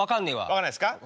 分かんないですか。